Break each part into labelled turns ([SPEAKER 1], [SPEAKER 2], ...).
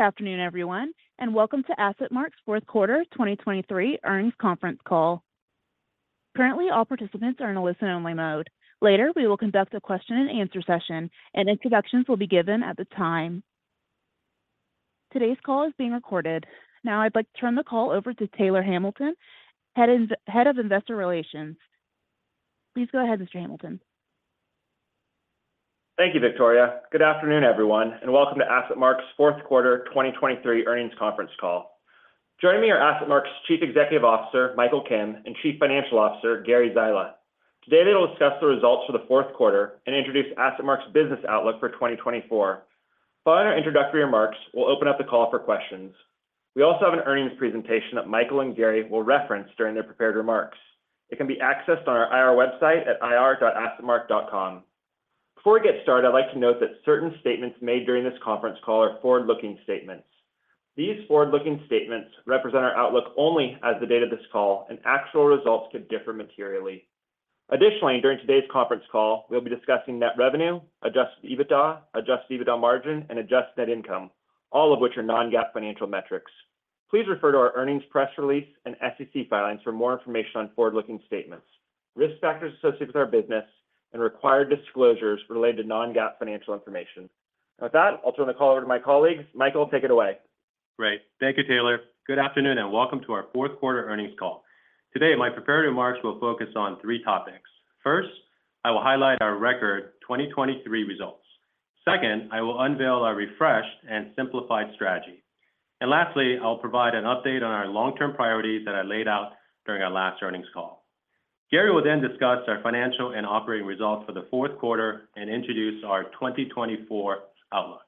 [SPEAKER 1] Good afternoon, everyone, and welcome to AssetMark's Fourth Quarter 2023 Earnings Conference Call. Currently, all participants are in a listen-only mode. Later, we will conduct a question-and-answer session, and introductions will be given at the time. Today's call is being recorded. Now I'd like to turn the call over to Taylor Hamilton, Head of Investor Relations. Please go ahead, Mr. Hamilton.
[SPEAKER 2] Thank you, Victoria. Good afternoon, everyone, and welcome to AssetMark's Fourth Quarter 2023 Earnings Conference Call. Joining me are AssetMark's Chief Executive Officer Michael Kim and Chief Financial Officer Gary Zyla. Today they will discuss the results for the fourth quarter and introduce AssetMark's business outlook for 2024. Following our introductory remarks, we'll open up the call for questions. We also have an earnings presentation that Michael and Gary will reference during their prepared remarks. It can be accessed on our IR website at ir.assetmark.com. Before we get started, I'd like to note that certain statements made during this conference call are forward-looking statements. These forward-looking statements represent our outlook only as the date of this call, and actual results could differ materially. Additionally, during today's conference call, we'll be discussing net revenue, adjusted EBITDA, adjusted EBITDA margin, and adjusted net income, all of which are non-GAAP financial metrics. Please refer to our earnings press release and SEC filings for more information on forward-looking statements, risk factors associated with our business, and required disclosures related to non-GAAP financial information. With that, I'll turn the call over to my colleagues. Michael, take it away.
[SPEAKER 3] Great. Thank you, Taylor. Good afternoon, and welcome to our fourth quarter earnings call. Today, my preparatory remarks will focus on three topics. First, I will highlight our record 2023 results. Second, I will unveil our refreshed and simplified strategy. And lastly, I'll provide an update on our long-term priorities that I laid out during our last earnings call. Gary will then discuss our financial and operating results for the fourth quarter and introduce our 2024 outlook.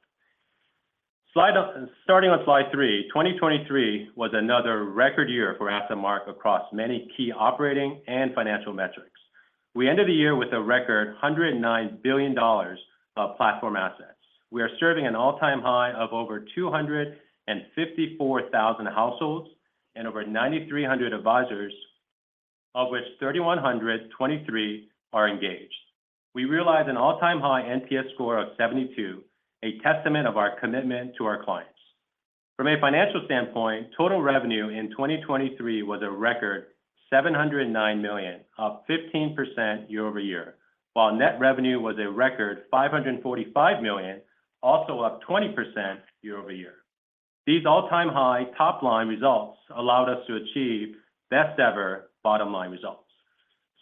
[SPEAKER 3] Starting on slide three, 2023 was another record year for AssetMark across many key operating and financial metrics. We ended the year with a record $109 billion of platform assets. We are serving an all-time high of over 254,000 households and over 9,300 advisors, of which 3,123 are engaged. We realized an all-time high NPS score of 72, a testament of our commitment to our clients. From a financial standpoint, total revenue in 2023 was a record $709 million, up 15% year-over-year, while net revenue was a record $545 million, also up 20% year-over-year. These all-time high top-line results allowed us to achieve best-ever bottom-line results.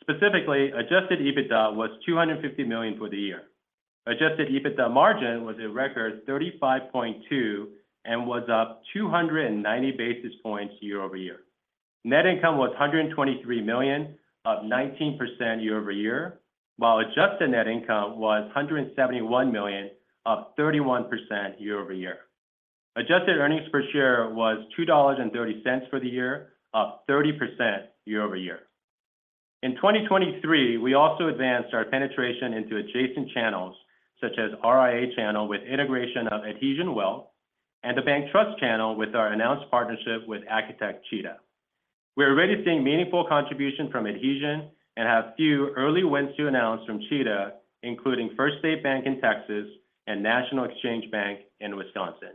[SPEAKER 3] Specifically, Adjusted EBITDA was $250 million for the year. Adjusted EBITDA margin was a record 35.2% and was up 290 basis points year-over-year. Net income was $123 million, up 19% year-over-year, while adjusted net income was $171 million, up 31% year-over-year. Adjusted earnings per share was $2.30 for the year, up 30% year-over-year. In 2023, we also advanced our penetration into adjacent channels such as RIA Channel with integration of Adhesion Wealth and the Bank Trust Channel with our announced partnership with Cheetah. We're already seeing meaningful contribution from Adhesion and have few early wins to announce from Cheetah, including First State Bank in Texas and National Exchange Bank in Wisconsin.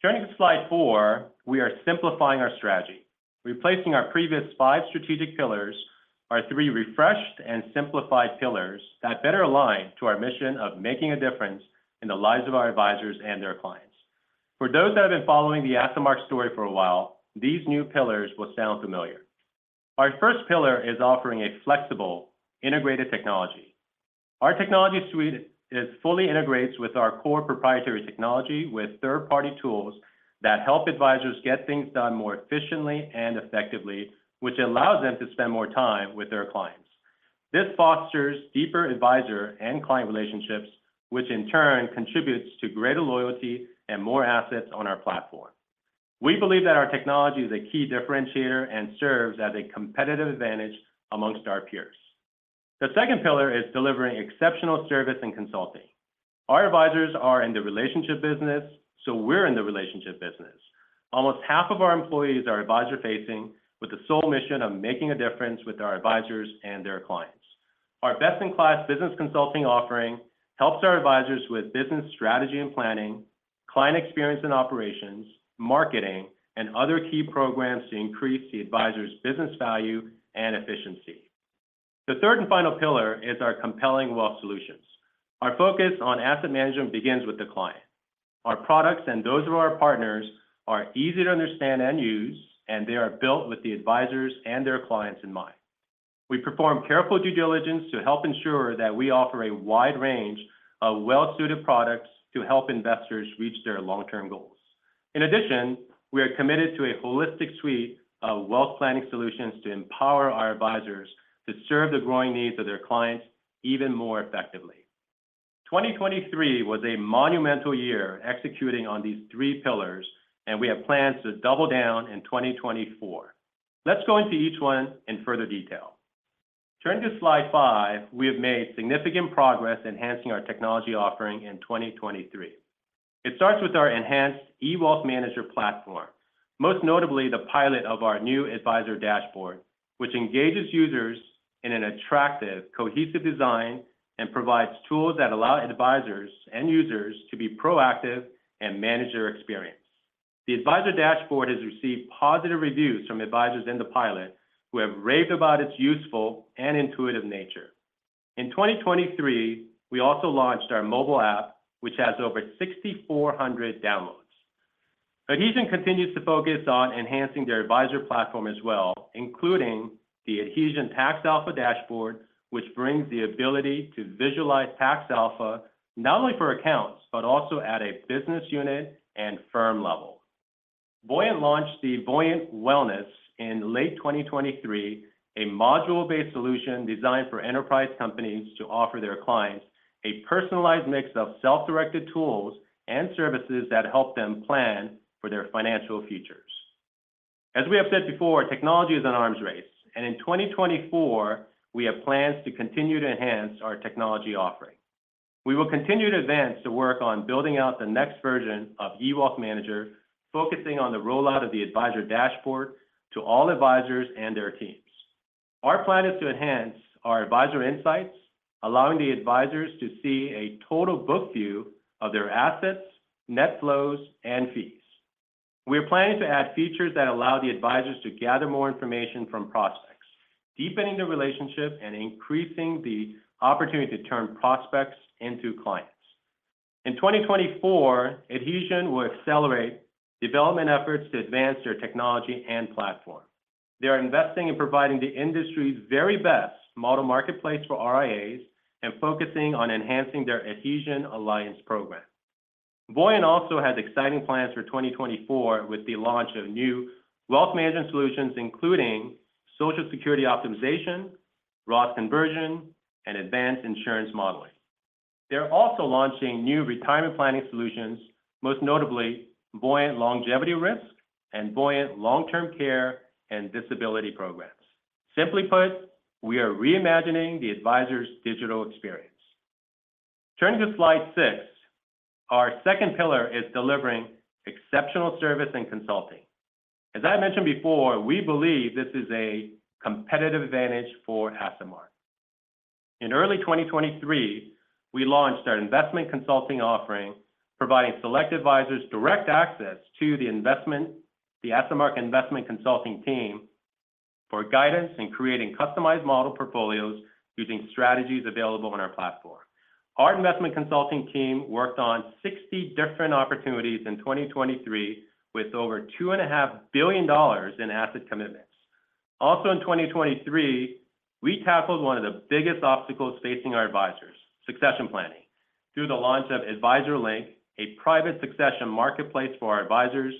[SPEAKER 3] Turning to slide four, we are simplifying our strategy, replacing our previous five strategic pillars with our three refreshed and simplified pillars that better align to our mission of making a difference in the lives of our advisors and their clients. For those that have been following the AssetMark story for a while, these new pillars will sound familiar. Our first pillar is offering a flexible, integrated technology. Our technology suite fully integrates with our core proprietary technology with third-party tools that help advisors get things done more efficiently and effectively, which allows them to spend more time with their clients. This fosters deeper advisor and client relationships, which in turn contributes to greater loyalty and more assets on our platform. We believe that our technology is a key differentiator and serves as a competitive advantage among our peers. The second pillar is delivering exceptional service and consulting. Our advisors are in the relationship business, so we're in the relationship business. Almost half of our employees are advisor-facing with the sole mission of making a difference with our advisors and their clients. Our best-in-class business consulting offering helps our advisors with business strategy and planning, client experience and operations, marketing, and other key programs to increase the advisor's business value and efficiency. The third and final pillar is our compelling wealth solutions. Our focus on asset management begins with the client. Our products and those of our partners are easy to understand and use, and they are built with the advisors and their clients in mind. We perform careful due diligence to help ensure that we offer a wide range of well-suited products to help investors reach their long-term goals. In addition, we are committed to a holistic suite of wealth planning solutions to empower our advisors to serve the growing needs of their clients even more effectively. 2023 was a monumental year executing on these three pillars, and we have plans to double down in 2024. Let's go into each one in further detail. Turning to slide five, we have made significant progress enhancing our technology offering in 2023. It starts with our enhanced eWealthManager platform, most notably the pilot of our new advisor dashboard, which engages users in an attractive, cohesive design and provides tools that allow advisors and users to be proactive and manage their experience. The advisor dashboard has received positive reviews from advisors in the pilot who have raved about its useful and intuitive nature. In 2023, we also launched our mobile app, which has over 6,400 downloads. Adhesion continues to focus on enhancing their advisor platform as well, including the Adhesion Tax Alpha dashboard, which brings the ability to visualize tax alpha not only for accounts but also at a business unit and firm level. Voyant launched the Voyant Wellness in late 2023, a module-based solution designed for enterprise companies to offer their clients a personalized mix of self-directed tools and services that help them plan for their financial futures. As we have said before, technology is an arms race, and in 2024, we have plans to continue to enhance our technology offering. We will continue to advance the work on building out the next version of eWealthManager, focusing on the rollout of the advisor dashboard to all advisors and their teams. Our plan is to enhance our advisor insights, allowing the advisors to see a total book view of their assets, net flows, and fees. We are planning to add features that allow the advisors to gather more information from prospects, deepening the relationship and increasing the opportunity to turn prospects into clients. In 2024, Adhesion will accelerate development efforts to advance their technology and platform. They are investing in providing the industry's very best model marketplace for RIAs and focusing on enhancing their Adhesion Alliance program. Voyant also has exciting plans for 2024 with the launch of new wealth management solutions, including Social Security optimization, Roth conversion, and advanced insurance modeling. They are also launching new retirement planning solutions, most notably Voyant Longevity Risk and Voyant Long-Term Care and Disability programs. Simply put, we are reimagining the advisor's digital experience. Turning to slide six, our second pillar is delivering exceptional service and consulting. As I mentioned before, we believe this is a competitive advantage for AssetMark. In early 2023, we launched our investment consulting offering, providing select advisors direct access to the AssetMark investment consulting team for guidance in creating customized model portfolios using strategies available on our platform. Our investment consulting team worked on 60 different opportunities in 2023 with over $2.5 billion in asset commitments. Also in 2023, we tackled one of the biggest obstacles facing our advisors: succession planning, through the launch of AdvisorLink, a private succession marketplace for our advisors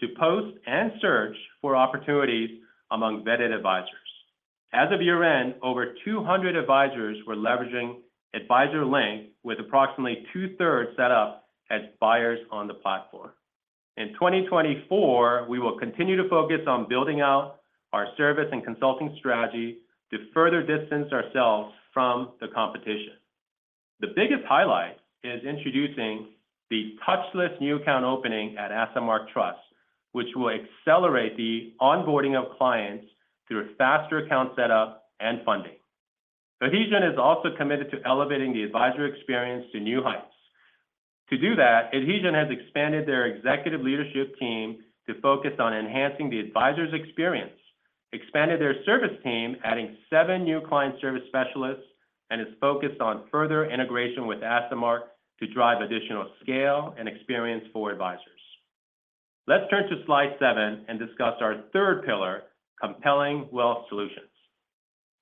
[SPEAKER 3] to post and search for opportunities among vetted advisors. As of year-end, over 200 advisors were leveraging AdvisorLink, with approximately two-thirds set up as buyers on the platform. In 2024, we will continue to focus on building out our service and consulting strategy to further distance ourselves from the competition. The biggest highlight is introducing the touchless new account opening at AssetMark Trust, which will accelerate the onboarding of clients through faster account setup and funding. Adhesion is also committed to elevating the advisor experience to new heights. To do that, Adhesion has expanded their executive leadership team to focus on enhancing the advisor's experience, expanded their service team adding seven new client service specialists, and is focused on further integration with AssetMark to drive additional scale and experience for advisors. Let's turn to slide seven and discuss our third pillar, compelling wealth solutions.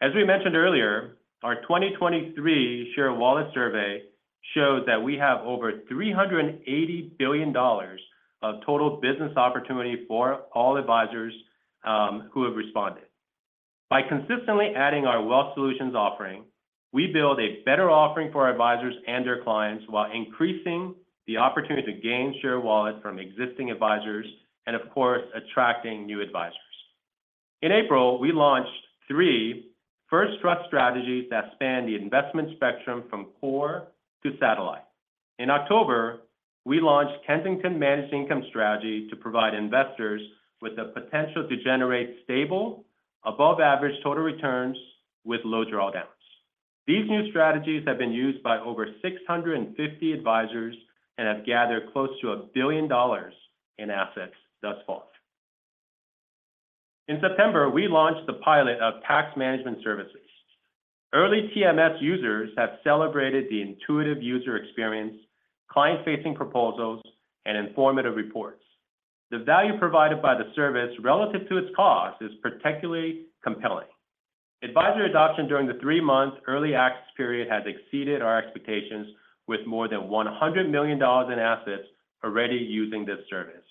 [SPEAKER 3] As we mentioned earlier, our 2023 Share of Wallet survey showed that we have over $380 billion of total business opportunity for all advisors who have responded. By consistently adding our wealth solutions offering, we build a better offering for our advisors and their clients while increasing the opportunity to gain Share of Wallet from existing advisors and, of course, attracting new advisors. In April, we launched three First Trust strategies that span the investment spectrum from core to satellite. In October, we launched Kensington Managed Income Strategy to provide investors with the potential to generate stable, above-average total returns with low drawdowns. These new strategies have been used by over 650 advisors and have gathered close to $1 billion in assets thus far. In September, we launched the pilot of tax management services. Early TMS users have celebrated the intuitive user experience, client-facing proposals, and informative reports. The value provided by the service relative to its cost is particularly compelling. Advisor adoption during the three-month early access period has exceeded our expectations, with more than $100 million in assets already using this service.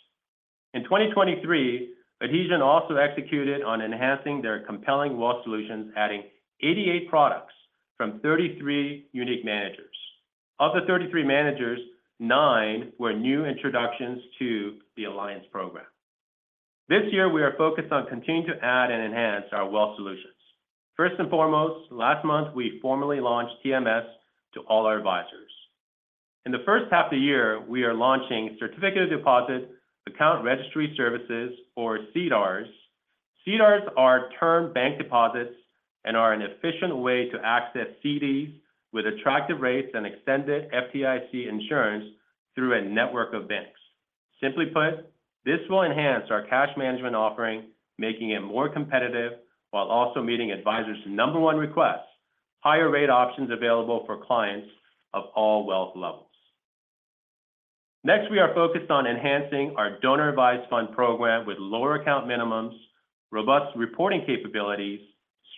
[SPEAKER 3] In 2023, Adhesion also executed on enhancing their compelling wealth solutions, adding 88 products from 33 unique managers. Of the 33 managers, nine were new introductions to the Alliance program. This year, we are focused on continuing to add and enhance our wealth solutions. First and foremost, last month, we formally launched TMS to all our advisors. In the first half of the year, we are launching Certificate of Deposit Account Registry Services, or CDARS. CDARS are term bank deposits and are an efficient way to access CDs with attractive rates and extended FDIC insurance through a network of banks. Simply put, this will enhance our cash management offering, making it more competitive while also meeting advisors' number one requests: higher rate options available for clients of all wealth levels. Next, we are focused on enhancing our donor-advised fund program with lower account minimums, robust reporting capabilities,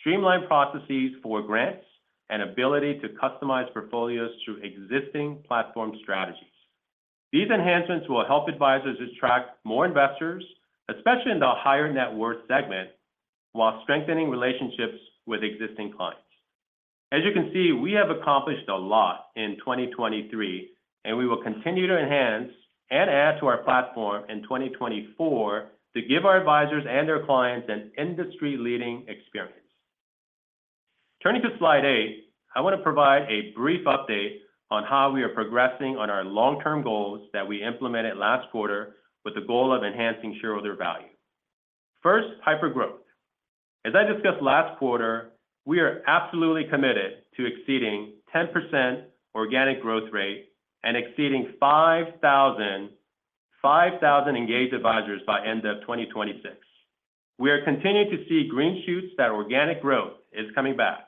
[SPEAKER 3] streamlined processes for grants, and the ability to customize portfolios through existing platform strategies. These enhancements will help advisors attract more investors, especially in the higher net worth segment, while strengthening relationships with existing clients. As you can see, we have accomplished a lot in 2023, and we will continue to enhance and add to our platform in 2024 to give our advisors and their clients an industry-leading experience. Turning to Slide eight, I want to provide a brief update on how we are progressing on our long-term goals that we implemented last quarter with the goal of enhancing shareholder value. First, hypergrowth. As I discussed last quarter, we are absolutely committed to exceeding 10% organic growth rate and exceeding 5,000 engaged advisors by end of 2026. We are continuing to see green shoots that organic growth is coming back.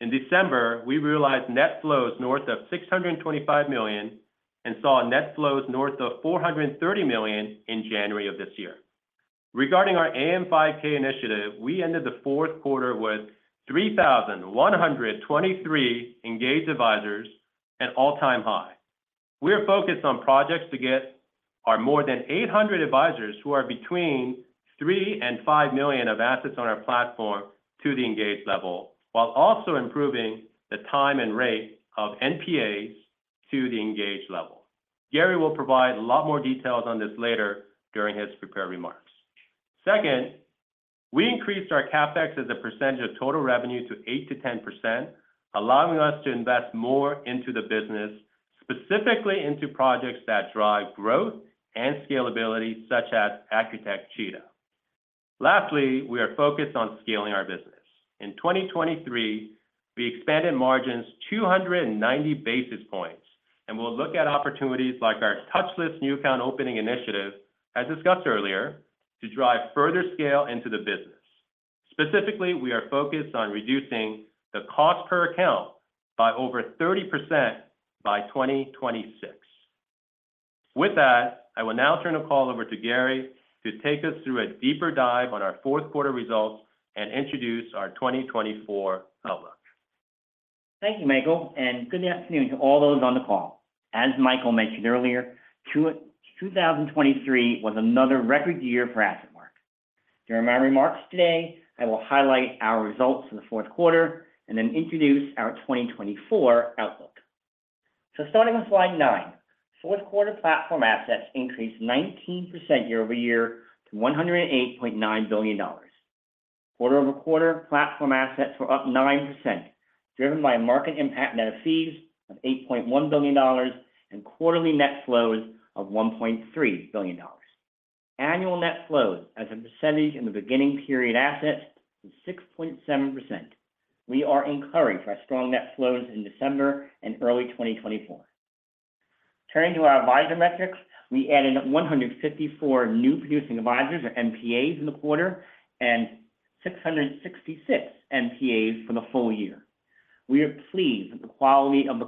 [SPEAKER 3] In December, we realized net flows north of $625 million and saw net flows north of $430 million in January of this year. Regarding our AM5K initiative, we ended the fourth quarter with 3,123 engaged advisors, an all-time high. We are focused on projects to get our more than 800 advisors who are between 3 and 5 million of assets on our platform to the engaged level, while also improving the time and rate of NPAs to the engaged level. Gary will provide a lot more details on this later during his prepared remarks. Second, we increased our CapEx as a percentage of total revenue to 8%-10%, allowing us to invest more into the business, specifically into projects that drive growth and scalability, such as AssetMark Cheetah. Lastly, we are focused on scaling our business. In 2023, we expanded margins 290 basis points and will look at opportunities like our touchless new account opening initiative, as discussed earlier, to drive further scale into the business. Specifically, we are focused on reducing the cost per account by over 30% by 2026. With that, I will now turn the call over to Gary to take us through a deeper dive on our fourth quarter results and introduce our 2024 outlook.
[SPEAKER 4] Thank you, Michael, and good afternoon to all those on the call. As Michael mentioned earlier, 2023 was another record year for AssetMark. During my remarks today, I will highlight our results for the fourth quarter and then introduce our 2024 outlook. Starting with slide nine, fourth quarter platform assets increased 19% year-over-year to $108.9 billion. Quarter-over-quarter, platform assets were up 9%, driven by market impact net of fees of $8.1 billion and quarterly net flows of $1.3 billion. Annual net flows, as a percentage in the beginning period assets, were 6.7%. We are encouraged by strong net flows in December and early 2024. Turning to our advisor metrics, we added 154 new producing advisors, or NPAs, in the quarter and 666 NPAs for the full year. We are pleased that the quality of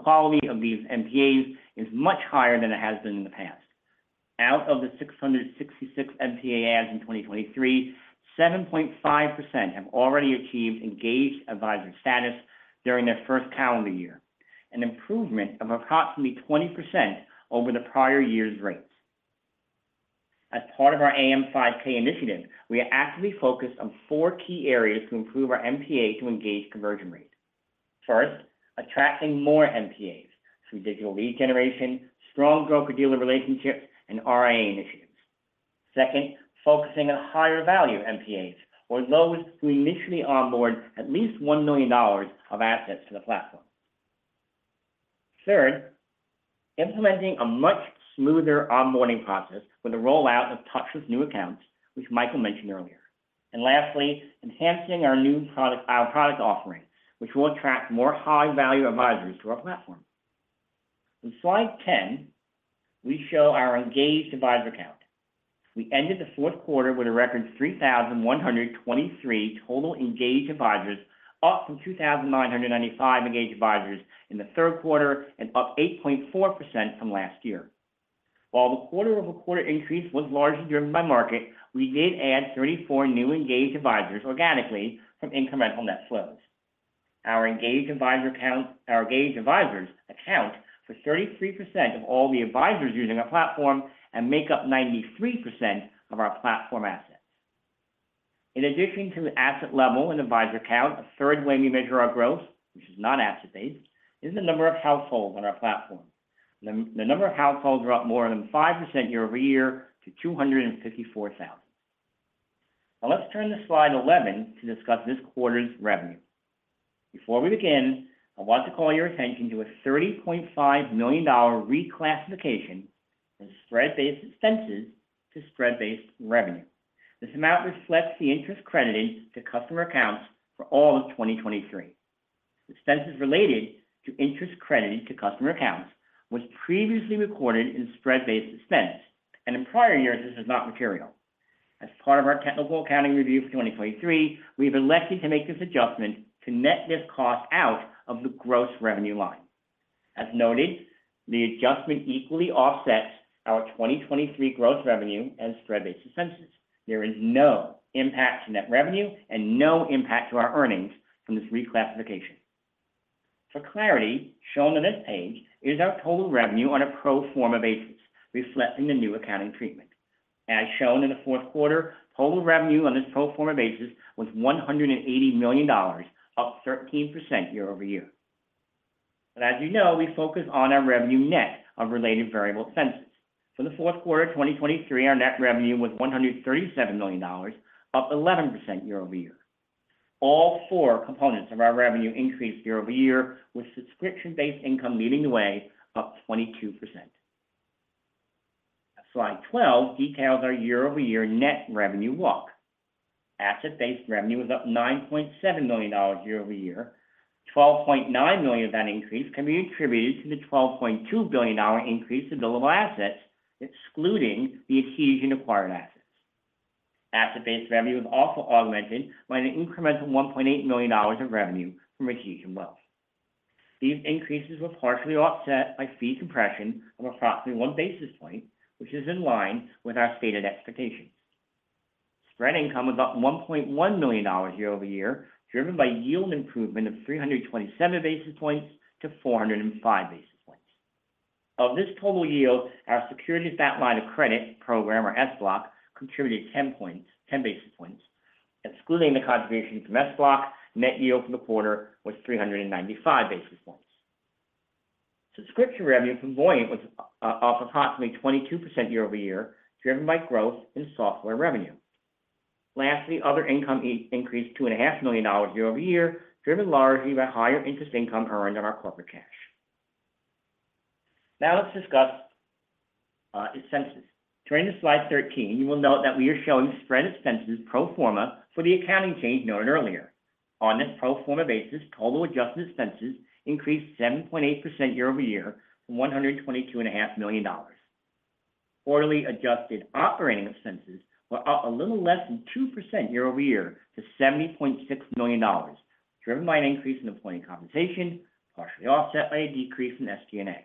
[SPEAKER 4] these NPAs is much higher than it has been in the past. Out of the 666 NPAs in 2023, 7.5% have already achieved engaged advisor status during their first calendar year, an improvement of approximately 20% over the prior year's rates. As part of our AM5K initiative, we actively focused on four key areas to improve our NPA to engaged conversion rate. First, attracting more NPAs through digital lead generation, strong broker-dealer relationships, and RIA initiatives. Second, focusing on higher value NPAs, or those who initially onboard at least $1 million of assets to the platform. Third, implementing a much smoother onboarding process with the rollout of touchless new accounts, which Michael mentioned earlier. And lastly, enhancing our new product offering, which will attract more high-value advisors to our platform. On slide 10, we show our engaged advisor count. We ended the fourth quarter with a record 3,123 total engaged advisors, up from 2,995 engaged advisors in the third quarter and up 8.4% from last year. While the quarter-over-quarter increase was largely driven by market, we did add 34 new engaged advisors organically from incremental net flows. Our engaged advisors account for 33% of all the advisors using our platform and make up 93% of our platform assets. In addition to the asset level and advisor count, a third way we measure our growth, which is not asset-based, is the number of households on our platform. The number of households are up more than 5% year-over-year to 254,000. Now let's turn to slide 11 to discuss this quarter's revenue. Before we begin, I want to call your attention to a $30.5 million reclassification from spread-based expenses to spread-based revenue. This amount reflects the interest credited to customer accounts for all of 2023. Expenses related to interest credited to customer accounts were previously recorded in spread-based expense, and in prior years, this was not material. As part of our technical accounting review for 2023, we have elected to make this adjustment to net this cost out of the gross revenue line. As noted, the adjustment equally offsets our 2023 gross revenue and spread-based expenses. There is no impact to net revenue and no impact to our earnings from this reclassification. For clarity, shown on this page is our total revenue on a pro forma basis, reflecting the new accounting treatment. As shown in the fourth quarter, total revenue on this pro forma basis was $180 million, up 13% year-over-year. But as you know, we focus on our revenue net of related variable expenses. For the fourth quarter of 2023, our net revenue was $137 million, up 11% year-over-year. All four components of our revenue increased year-over-year, with subscription-based income leading the way, up 22%. Slide 12 details our year-over-year net revenue walk. Asset-based revenue was up $9.7 million year-over-year. $12.9 million of that increase can be attributed to the $12.2 billion increase in billable assets, excluding the Adhesion-acquired assets. Asset-based revenue was also augmented by the incremental $1.8 million of revenue from Adhesion Wealth. These increases were partially offset by fee compression of approximately one basis point, which is in line with our stated expectations. Spread income was up $1.1 million year-over-year, driven by yield improvement of 327 basis points to 405 basis points. Of this total yield, our Securities-Based Line of Credit program, or SBLOC, contributed 10 basis points. Excluding the contribution from SBLOC, net yield for the quarter was 395 basis points. Subscription revenue from Voyant was up approximately 22% year-over-year, driven by growth in software revenue. Lastly, other income increased $2.5 million year-over-year, driven largely by higher interest income earned on our corporate cash. Now let's discuss expenses. Turning to slide 13, you will note that we are showing spread expenses pro forma for the accounting change noted earlier. On this pro forma basis, total adjusted expenses increased 7.8% year-over-year from $122.5 million. Quarterly adjusted operating expenses were up a little less than 2% year-over-year to $70.6 million, driven by an increase in employee compensation, partially offset by a decrease in SG&A.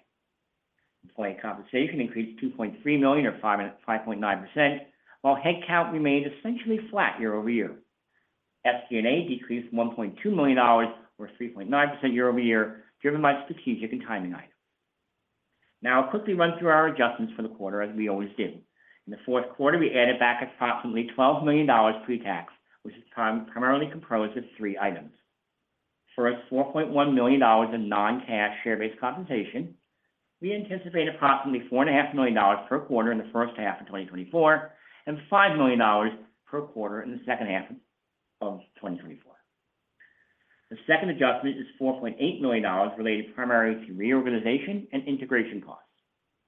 [SPEAKER 4] Employee compensation increased $2.3 million or 5.9%, while headcount remained essentially flat year-over-year. SG&A decreased $1.2 million or 3.9% year-over-year, driven by strategic and timing items. Now I'll quickly run through our adjustments for the quarter, as we always do. In the fourth quarter, we added back approximately $12 million pre-tax, which is primarily composed of three items. First, $4.1 million in non-cash share-based compensation. We anticipate approximately $4.5 million per quarter in the first half of 2024 and $5 million per quarter in the second half of 2024. The second adjustment is $4.8 million related primarily to reorganization and integration costs.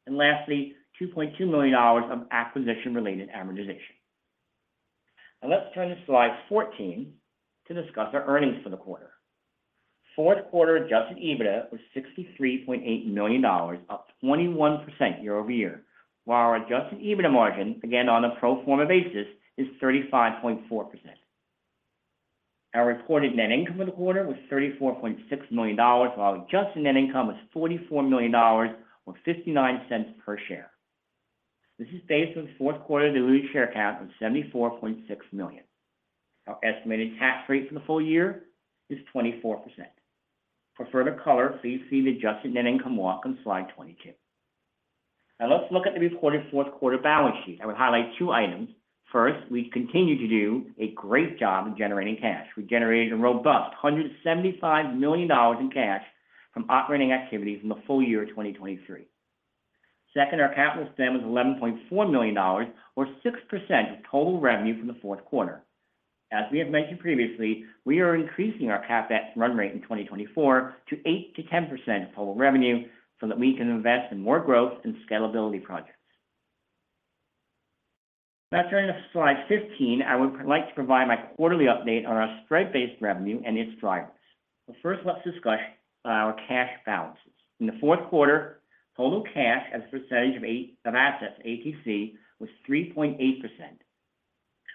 [SPEAKER 4] And lastly, $2.2 million of acquisition-related amortization. Now let's turn to slide 14 to discuss our earnings for the quarter. Fourth quarter adjusted EBITDA was $63.8 million, up 21% year-over-year, while our adjusted EBITDA margin, again on a pro forma basis, is 35.4%. Our reported net income for the quarter was $34.6 million, while adjusted net income was $44 million or $0.59 per share. This is based on the fourth quarter diluted share count of 74.6 million. Our estimated tax rate for the full year is 24%. For further color, please see the adjusted net income walk on slide 22. Now let's look at the reported fourth quarter balance sheet. I would highlight two items. First, we continue to do a great job in generating cash. We generated a robust $175 million in cash from operating activities in the full year of 2023. Second, our capital spend was $11.4 million, or 6% of total revenue for the fourth quarter. As we have mentioned previously, we are increasing our CapEx run rate in 2024 to 8%-10% of total revenue so that we can invest in more growth and scalability projects. Now turning to slide 15, I would like to provide my quarterly update on our spread-based revenue and its drivers. But first, let's discuss our cash balances. In the fourth quarter, total cash as a percentage of assets, ATC, was 3.8%,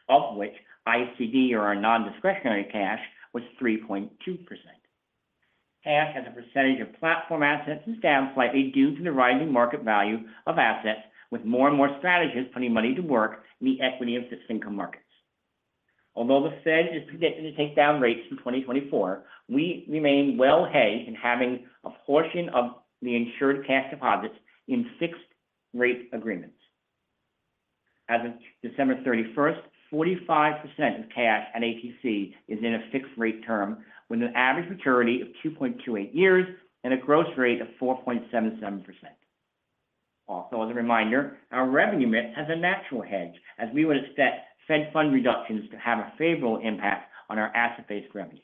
[SPEAKER 4] of which ICD, or our non-discretionary cash, was 3.2%. Cash as a percentage of platform assets is down slightly due to the rising market value of assets, with more and more strategists putting money to work in the equity and fixed income markets. Although the Fed is predicted to take down rates in 2024, we remain well-hedged in having a portion of the insured cash deposits in fixed-rate agreements. As of December 31st, 45% of cash at ATC is in a fixed-rate term with an average maturity of 2.28 years and a gross rate of 4.77%. Also, as a reminder, our revenue mix has a natural hedge, as we would expect Fed fund reductions to have a favorable impact on our asset-based revenue.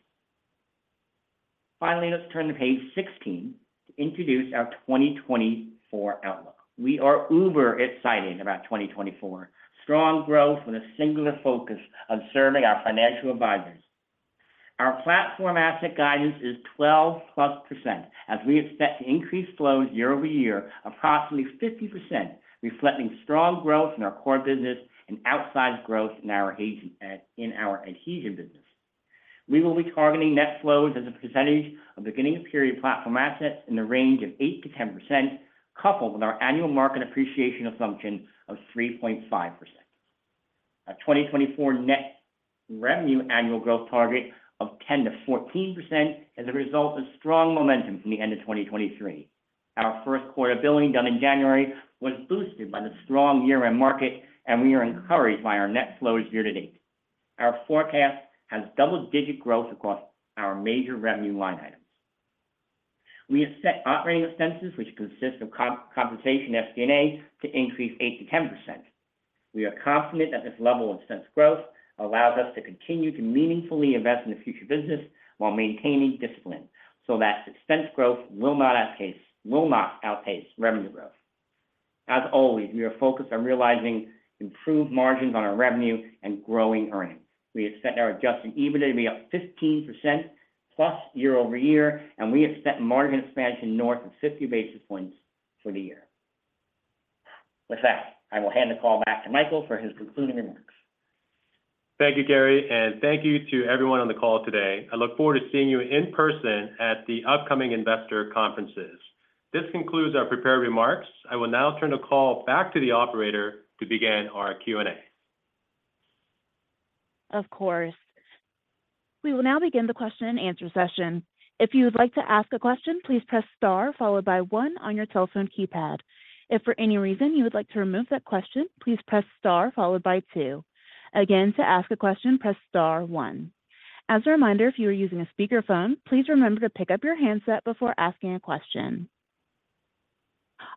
[SPEAKER 4] Finally, let's turn to page 16 to introduce our 2024 outlook. We are uber-excited about 2024, strong growth with a singular focus on serving our financial advisors. Our platform asset guidance is 12%+, as we expect to increase flows year-over-year approximately 50%, reflecting strong growth in our core business and outsized growth in our adhesion business. We will be targeting net flows as a percentage of beginning period platform assets in the range of 8%-10%, coupled with our annual market appreciation assumption of 3.5%. Our 2024 net revenue annual growth target of 10%-14% is a result of strong momentum from the end of 2023. Our first quarter billing done in January was boosted by the strong year-end market, and we are encouraged by our net flows year to date. Our forecast has double-digit growth across our major revenue line items. We expect operating expenses, which consist of compensation SG&A, to increase 8%-10%. We are confident that this level of expense growth allows us to continue to meaningfully invest in the future business while maintaining discipline so that expense growth will not outpace revenue growth. As always, we are focused on realizing improved margins on our revenue and growing earnings. We expect our Adjusted EBITDA to be up 15%+ year-over-year, and we expect margin expansion north of 50 basis points for the year. With that, I will hand the call back to Michael for his concluding remarks.
[SPEAKER 3] Thank you, Gary, and thank you to everyone on the call today. I look forward to seeing you in person at the upcoming investor conferences. This concludes our prepared remarks. I will now turn the call back to the operator to begin our Q&A.
[SPEAKER 1] Of course. We will now begin the question-and-answer session. If you would like to ask a question, please press star followed by one on your telephone keypad. If for any reason you would like to remove that question, please press star followed by two. Again, to ask a question, press star one. As a reminder, if you are using a speakerphone, please remember to pick up your handset before asking a question.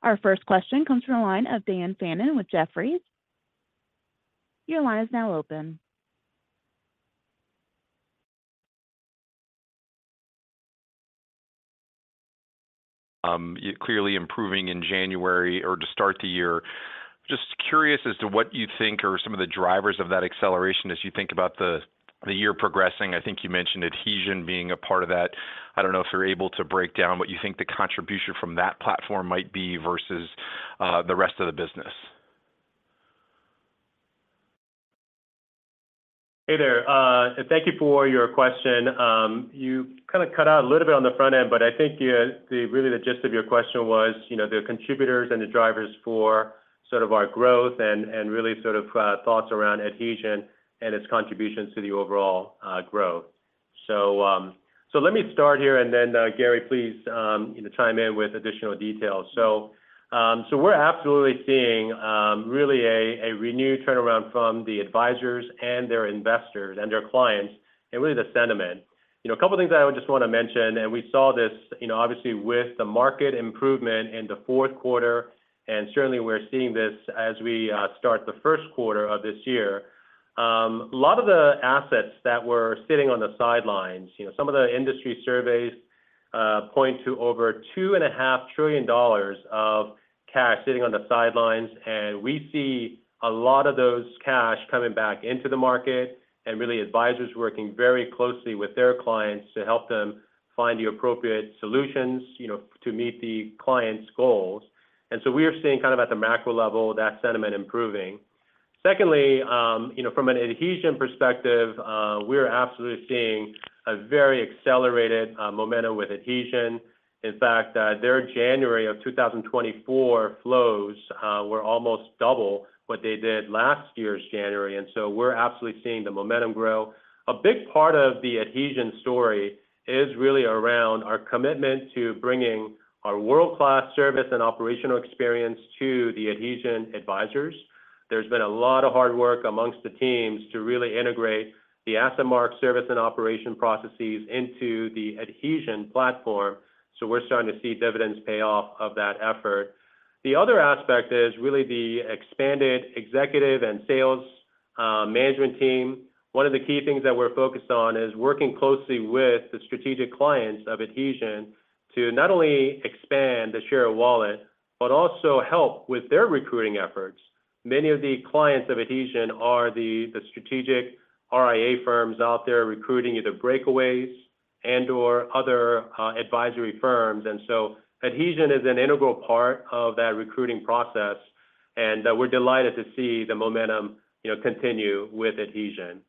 [SPEAKER 1] Our first question comes from a line of Dan Fannon with Jefferies. Your line is now open.
[SPEAKER 5] Clearly improving in January or to start the year. Just curious as to what you think are some of the drivers of that acceleration as you think about the year progressing. I think you mentioned Adhesion being a part of that. I don't know if you're able to break down what you think the contribution from that platform might be versus the rest of the business?
[SPEAKER 3] Hey there. Thank you for your question. You kind of cut out a little bit on the front end, but I think really the gist of your question was the contributors and the drivers for sort of our growth and really sort of thoughts around Adhesion and its contribution to the overall growth. So let me start here, and then, Gary, please chime in with additional details. So we're absolutely seeing really a renewed turnaround from the advisors and their investors and their clients and really the sentiment. A couple of things I would just want to mention, and we saw this obviously with the market improvement in the fourth quarter, and certainly we're seeing this as we start the first quarter of this year. A lot of the assets that were sitting on the sidelines, some of the industry surveys point to over $2.5 trillion of cash sitting on the sidelines, and we see a lot of those cash coming back into the market and really advisors working very closely with their clients to help them find the appropriate solutions to meet the client's goals. And so we are seeing kind of at the macro level that sentiment improving. Secondly, from an Adhesion perspective, we're absolutely seeing a very accelerated momentum with Adhesion. In fact, their January of 2024 flows were almost double what they did last year's January, and so we're absolutely seeing the momentum grow. A big part of the Adhesion story is really around our commitment to bringing our world-class service and operational experience to the Adhesion advisors. There's been a lot of hard work among the teams to really integrate the AssetMark service and operation processes into the Adhesion platform, so we're starting to see dividends pay off of that effort. The other aspect is really the expanded executive and sales management team. One of the key things that we're focused on is working closely with the strategic clients of Adhesion to not only expand the share of wallet but also help with their recruiting efforts. Many of the clients of Adhesion are the strategic RIA firms out there recruiting either breakaways and/or other advisory firms, and so Adhesion is an integral part of that recruiting process, and we're delighted to see the momentum continue with Adhesion.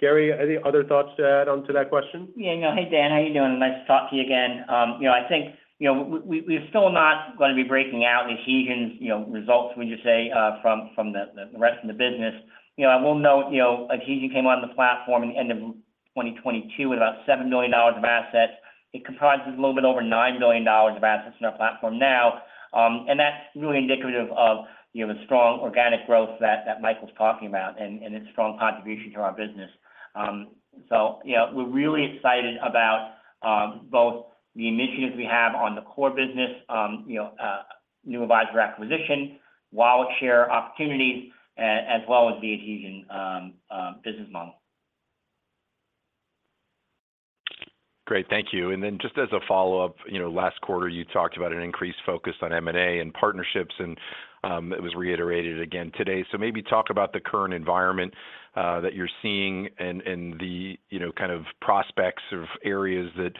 [SPEAKER 3] Gary, any other thoughts to add onto that question?
[SPEAKER 4] Yeah, no. Hey, Dan. How are you doing? Nice to talk to you again. I think we're still not going to be breaking out Adhesion results, would you say, from the rest of the business. I will note Adhesion came on the platform at the end of 2022 with about $7 million of assets. It comprises a little bit over $9 million of assets in our platform now, and that's really indicative of the strong organic growth that Michael's talking about and its strong contribution to our business. So we're really excited about both the initiatives we have on the core business, new advisor acquisition, wallet share opportunities, as well as the Adhesion business model.
[SPEAKER 5] Great. Thank you. And then just as a follow-up, last quarter, you talked about an increased focus on M&A and partnerships, and it was reiterated again today. So maybe talk about the current environment that you're seeing and the kind of prospects of areas that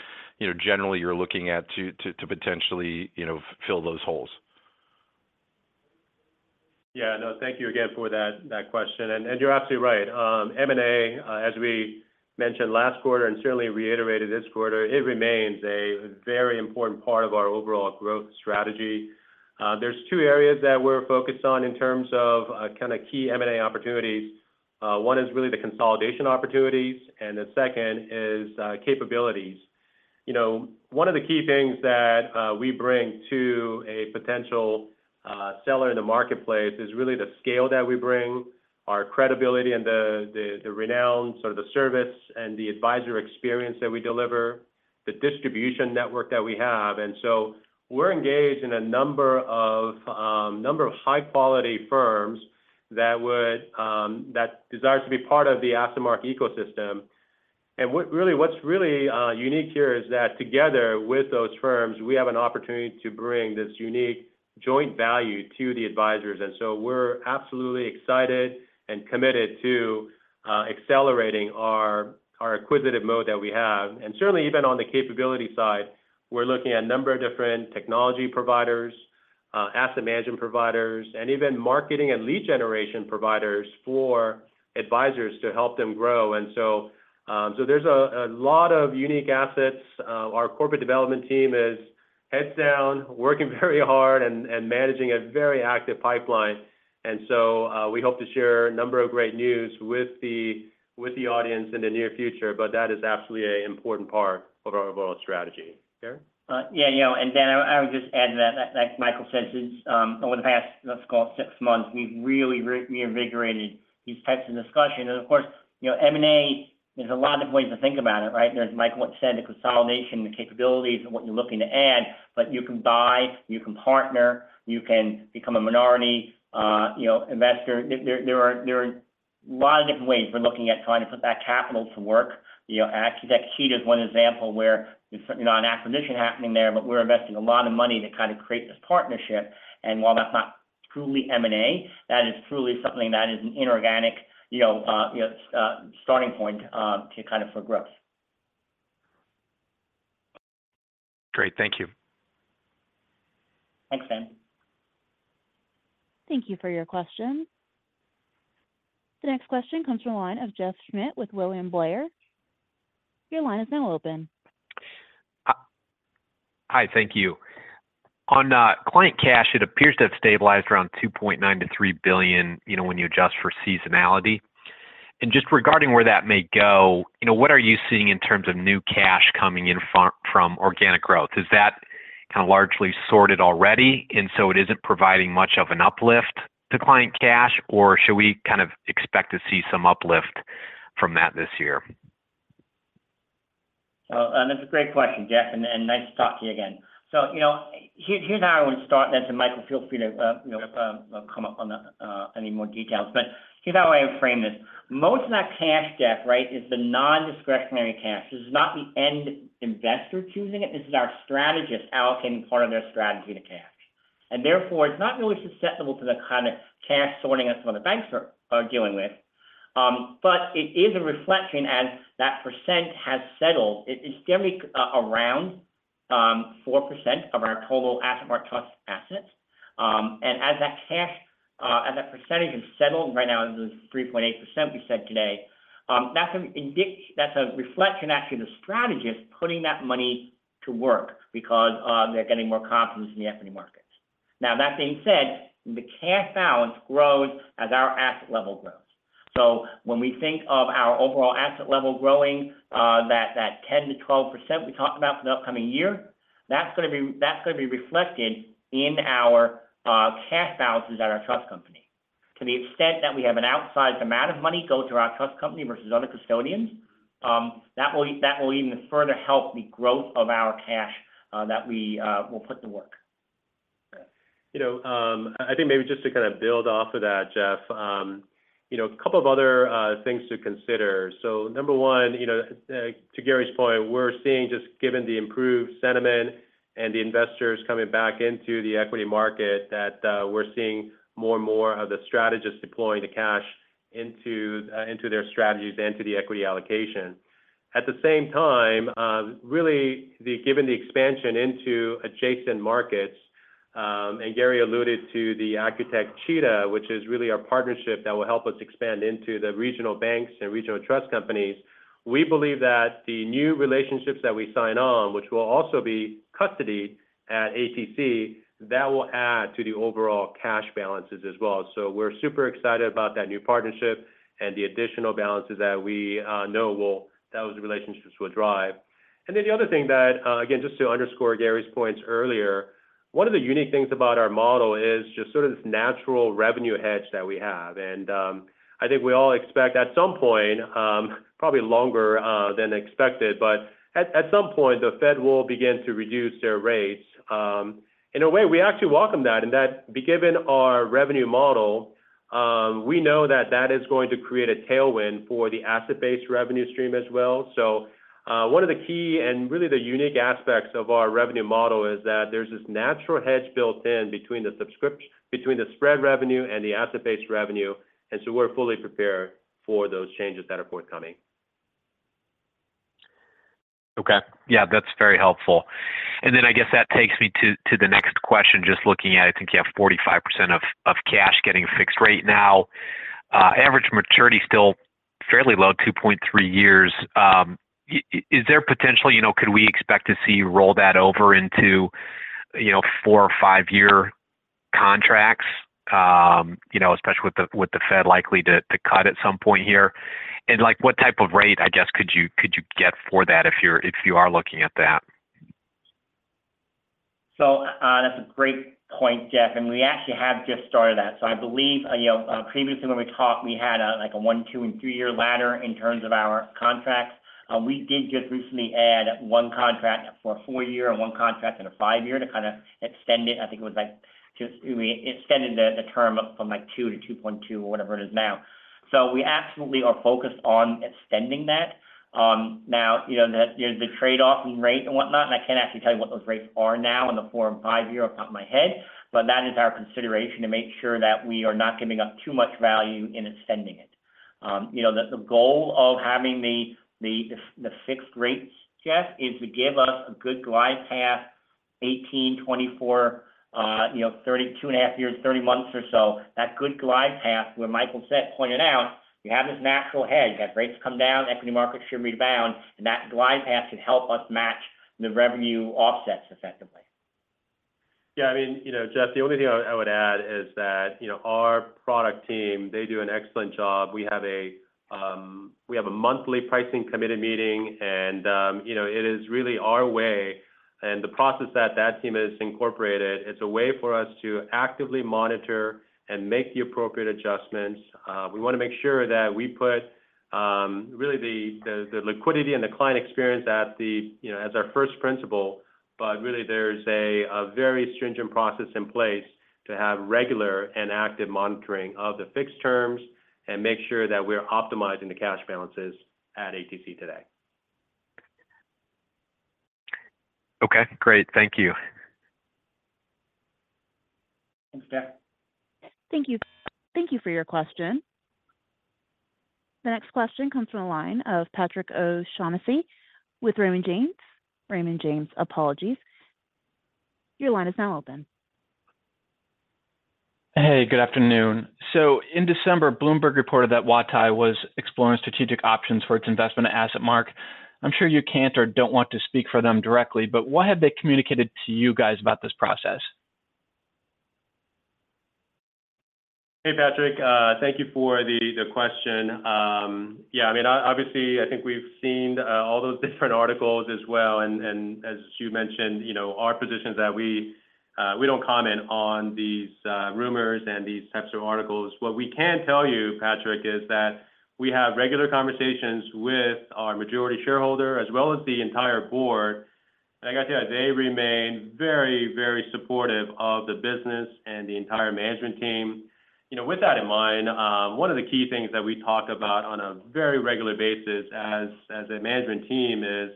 [SPEAKER 5] generally you're looking at to potentially fill those holes?
[SPEAKER 3] Yeah. No, thank you again for that question. You're absolutely right. M&A, as we mentioned last quarter and certainly reiterated this quarter. It remains a very important part of our overall growth strategy. There's two areas that we're focused on in terms of kind of key M&A opportunities. One is really the consolidation opportunities, and the second is capabilities. One of the key things that we bring to a potential seller in the marketplace is really the scale that we bring, our credibility and the renowned sort of the service and the advisor experience that we deliver, the distribution network that we have. And so we're engaged in a number of high-quality firms that desire to be part of the AssetMark ecosystem. And really, what's really unique here is that together with those firms, we have an opportunity to bring this unique joint value to the advisors. So we're absolutely excited and committed to accelerating our acquisitive mode that we have. And certainly, even on the capability side, we're looking at a number of different technology providers, asset management providers, and even marketing and lead generation providers for advisors to help them grow. And so there's a lot of unique assets. Our corporate development team is heads down, working very hard, and managing a very active pipeline. And so we hope to share a number of great news with the audience in the near future, but that is absolutely an important part of our overall strategy. Okay?
[SPEAKER 4] Yeah. And Dan, I would just add to that. Like Michael said, over the past, let's call it, six months, we've really reinvigorated these types of discussion. And of course, M&A, there's a lot of ways to think about it, right? There's, like Michael said, the consolidation, the capabilities, and what you're looking to add, but you can buy, you can partner, you can become a minority investor. There are a lot of different ways we're looking at trying to put that capital to work. Adhesion is one example where there's certainly not an acquisition happening there, but we're investing a lot of money to kind of create this partnership. And while that's not truly M&A, that is truly something that is an inorganic starting point kind of for growth.
[SPEAKER 5] Great. Thank you.
[SPEAKER 4] Thanks, Dan.
[SPEAKER 1] Thank you for your question. The next question comes from a line of Jeff Schmitt with William Blair. Your line is now open.
[SPEAKER 6] Hi. Thank you. On client cash, it appears to have stabilized around $2.9 billion-$3 billion when you adjust for seasonality. Just regarding where that may go, what are you seeing in terms of new cash coming in from organic growth? Is that kind of largely sorted already, and so it isn't providing much of an uplift to client cash, or should we kind of expect to see some uplift from that this year?
[SPEAKER 4] That's a great question, Jeff, and nice to talk to you again. So here's how I would start, and then to Michael, feel free to come up on any more details. But here's how I would frame this. Most of that cash debt, right, is the nondiscretionary cash. This is not the end investor choosing it. This is our strategists allocating part of their strategy to cash. And therefore, it's not really susceptible to the kind of cash sorting that some of the banks are dealing with, but it is a reflection as that percent has settled. It's generally around 4% of our total AssetMark Trust assets. And as that percentage has settled, right now it's 3.8%, we said today, that's a reflection, actually, of the strategists putting that money to work because they're getting more confidence in the equity markets. Now, that being said, the cash balance grows as our asset level grows. So when we think of our overall asset level growing, that 10%-12% we talked about for the upcoming year, that's going to be reflected in our cash balances at our trust company. To the extent that we have an outsized amount of money go to our trust company versus other custodians, that will even further help the growth of our cash that we will put to work.
[SPEAKER 3] I think maybe just to kind of build off of that, Jeff, a couple of other things to consider. So number one, to Gary's point, we're seeing, just given the improved sentiment and the investors coming back into the equity market, that we're seeing more and more of the strategists deploying the cash into their strategies and to the equity allocation. At the same time, really, given the expansion into adjacent markets, and Gary alluded to the AssetMark-Cheetah, which is really our partnership that will help us expand into the regional banks and regional trust companies, we believe that the new relationships that we sign on, which will also be custody at ATC, that will add to the overall cash balances as well. So we're super excited about that new partnership and the additional balances that we know those relationships will drive. And then the other thing that, again, just to underscore Gary's points earlier, one of the unique things about our model is just sort of this natural revenue hedge that we have. I think we all expect at some point, probably longer than expected, but at some point, the Fed will begin to reduce their rates. In a way, we actually welcome that, and that, given our revenue model, we know that that is going to create a tailwind for the asset-based revenue stream as well. One of the key and really the unique aspects of our revenue model is that there's this natural hedge built in between the spread revenue and the asset-based revenue, and so we're fully prepared for those changes that are forthcoming.
[SPEAKER 6] Okay. Yeah, that's very helpful. And then I guess that takes me to the next question, just looking at, I think you have 45% of cash getting fixed rate now. Average maturity still fairly low, two point three years. Is there potential? Could we expect to see roll that over into four- or five-year contracts, especially with the Fed likely to cut at some point here? And what type of rate, I guess, could you get for that if you are looking at that?
[SPEAKER 4] So that's a great point, Jeff, and we actually have just started that. So I believe previously, when we talked, we had a one-, two-, and three-year ladder in terms of our contracts. We did just recently add one contract for a four-year and one contract in a five-year to kind of extend it. I think it was like we extended the term from two to two point two or whatever it is now. So we absolutely are focused on extending that. Now, there's the trade-off in rate and whatnot, and I can't actually tell you what those rates are now in the four- and five-year off the top of my head, but that is our consideration to make sure that we are not giving up too much value in extending it. The goal of having the fixed rates, Jeff, is to give us a good glide path, 18-24, 2.5 years, 30 months or so, that good glide path where Michael said, pointed out, you have this natural hedge. As rates come down, equity markets should rebound, and that glide path should help us match the revenue offsets effectively.
[SPEAKER 3] Yeah. I mean, Jeff, the only thing I would add is that our product team, they do an excellent job. We have a monthly pricing committee meeting, and it is really our way. And the process that that team has incorporated, it's a way for us to actively monitor and make the appropriate adjustments. We want to make sure that we put really the liquidity and the client experience as our first principle, but really, there's a very stringent process in place to have regular and active monitoring of the fixed terms and make sure that we're optimizing the cash balances at ATC today.
[SPEAKER 6] Okay. Great. Thank you.
[SPEAKER 4] Thanks, Dan.
[SPEAKER 1] Thank you for your question. The next question comes from a line of Patrick O'Shaughnessy with Raymond James. Raymond James, apologies. Your line is now open.
[SPEAKER 7] Hey, good afternoon. So in December, Bloomberg reported that GTCR was exploring strategic options for its investment AssetMark. I'm sure you can't or don't want to speak for them directly, but what have they communicated to you guys about this process?
[SPEAKER 3] Hey, Patrick. Thank you for the question. Yeah. I mean, obviously, I think we've seen all those different articles as well. And as you mentioned, our position is that we don't comment on these rumors and these types of articles. What we can tell you, Patrick, is that we have regular conversations with our majority shareholder as well as the entire board. And I got to tell you, they remain very, very supportive of the business and the entire management team. With that in mind, one of the key things that we talk about on a very regular basis as a management team is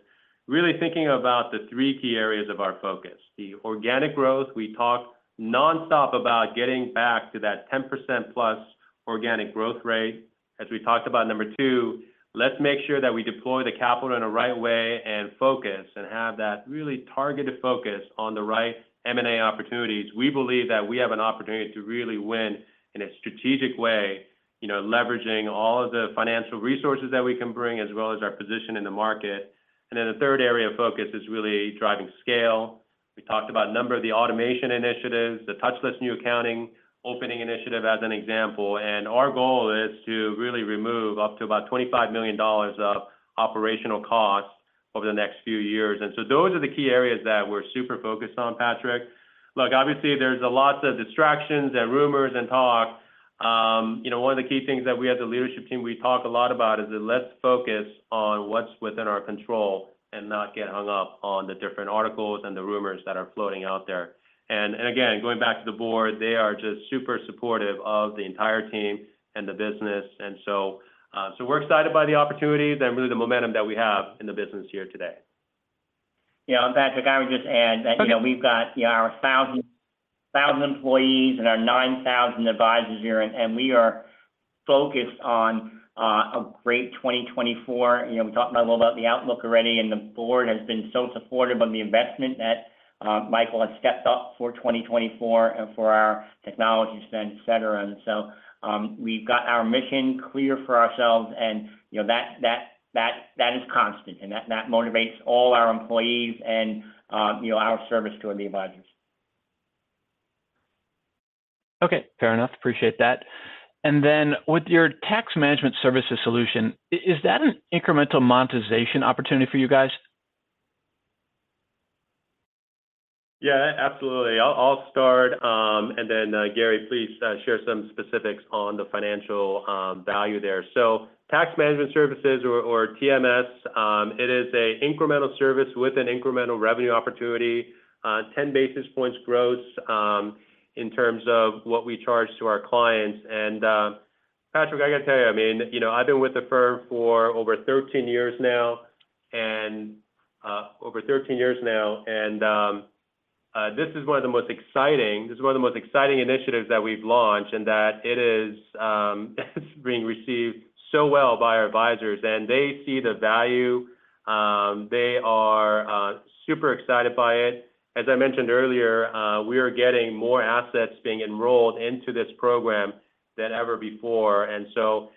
[SPEAKER 3] really thinking about the three key areas of our focus: the organic growth. We talk nonstop about getting back to that 10%+ organic growth rate. As we talked about, number two, let's make sure that we deploy the capital in the right way and focus and have that really targeted focus on the right M&A opportunities. We believe that we have an opportunity to really win in a strategic way, leveraging all of the financial resources that we can bring as well as our position in the market. And then the third area of focus is really driving scale. We talked about a number of the automation initiatives, the touchless new accounting opening initiative as an example. And our goal is to really remove up to about $25 million of operational costs over the next few years. And so those are the key areas that we're super focused on, Patrick. Look, obviously, there's lots of distractions and rumors and talk. One of the key things that we as a leadership team, we talk a lot about is that let's focus on what's within our control and not get hung up on the different articles and the rumors that are floating out there. And again, going back to the board, they are just super supportive of the entire team and the business. And so we're excited by the opportunities and really the momentum that we have in the business here today.
[SPEAKER 4] Yeah. Patrick, I would just add that we've got our 1,000 employees and our 9,000 advisors here, and we are focused on a great 2024. We talked a little about the outlook already, and the board has been so supportive of the investment that Michael has stepped up for 2024 for our technology spend, etc. We've got our mission clear for ourselves, and that is constant, and that motivates all our employees and our service to the advisors.
[SPEAKER 7] Okay. Fair enough. Appreciate that. And then with your Tax Management Services solution, is that an incremental monetization opportunity for you guys?
[SPEAKER 3] Yeah, absolutely. I'll start. And then, Gary, please share some specifics on the financial value there. So Tax Management Services or TMS, it is an incremental service with an incremental revenue opportunity, 10 basis points growth in terms of what we charge to our clients. And Patrick, I got to tell you, I mean, I've been with the firm for over 13 years now, and this is one of the most exciting initiatives that we've launched and that it is being received so well by our advisors, and they see the value. They are super excited by it. As I mentioned earlier, we are getting more assets being enrolled into this program than ever before. And so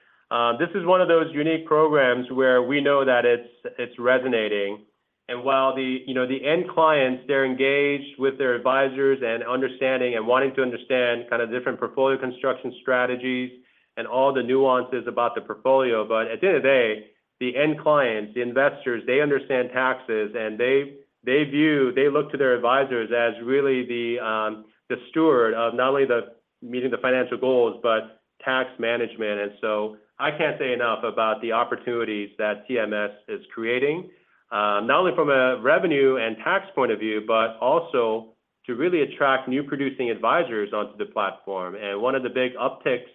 [SPEAKER 3] this is one of those unique programs where we know that it's resonating. And while the end clients, they're engaged with their advisors and understanding and wanting to understand kind of different portfolio construction strategies and all the nuances about the portfolio, but at the end of the day, the end clients, the investors, they understand taxes, and they look to their advisors as really the steward of not only meeting the financial goals but tax management. And so I can't say enough about the opportunities that TMS is creating, not only from a revenue and tax point of view, but also to really attract new producing advisors onto the platform. And one of the big upticks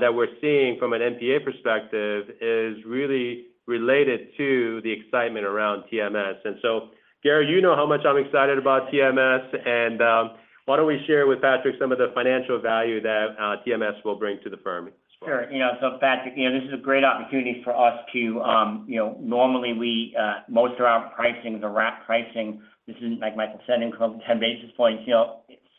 [SPEAKER 3] that we're seeing from an NPA perspective is really related to the excitement around TMS. And so, Gary, you know how much I'm excited about TMS, and why don't we share with Patrick some of the financial value that TMS will bring to the firm as well?
[SPEAKER 4] Sure. So, Patrick, this is a great opportunity for us to normally, most of our pricing is a wrap pricing. This isn't like Michael said, 10 basis points.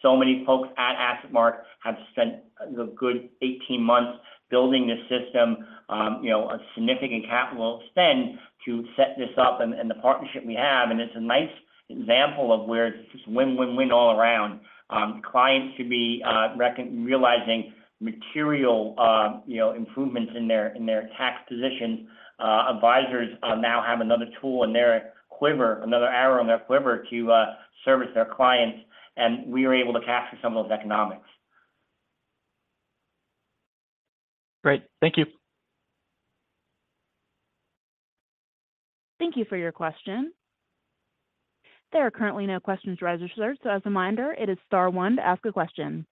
[SPEAKER 4] So many folks at AssetMark have spent a good 18 months building this system, a significant capital spend to set this up and the partnership we have. And it's a nice example of where it's just win, win, win all around. Clients should be realizing material improvements in their tax positions. Advisors now have another tool in their quiver, another arrow in their quiver to service their clients, and we are able to capture some of those economics.
[SPEAKER 7] Great. Thank you.
[SPEAKER 1] Thank you for your question. There are currently no questions raised, so as a reminder, it is star one to ask a question.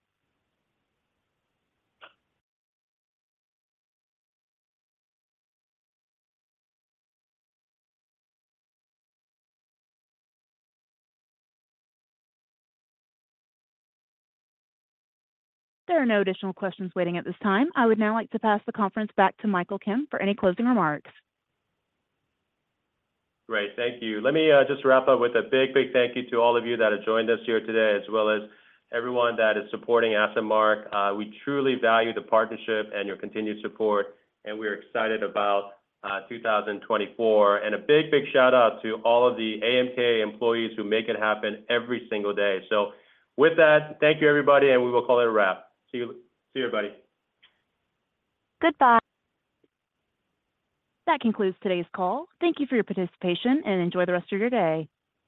[SPEAKER 1] There are no additional questions waiting at this time. I would now like to pass the conference back to Michael Kim for any closing remarks.
[SPEAKER 3] Great. Thank you. Let me just wrap up with a big, big thank you to all of you that have joined us here today as well as everyone that is supporting AssetMark. We truly value the partnership and your continued support, and we are excited about 2024. And a big, big shout-out to all of the AMK employees who make it happen every single day. So with that, thank you, everybody, and we will call it a wrap. See you, everybody.
[SPEAKER 1] Goodbye. That concludes today's call. Thank you for your participation, and enjoy the rest of your day.